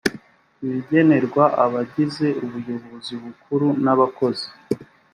ibigenerwa abagize ubuyobozi bukuru n abakozi